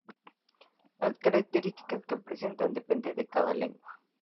Las características que representan dependen de cada lengua.